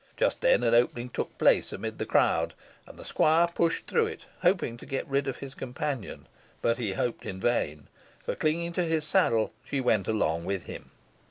Just then, an opening took place amid the crowd, and the squire pushed through it, hoping to get rid of his companion, but he hoped in vain, for, clinging to his saddle, she went on along with him.